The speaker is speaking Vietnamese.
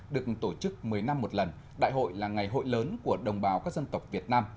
được tổ chức một mươi năm một lần đại hội là ngày hội lớn của đồng bào các dân tộc việt nam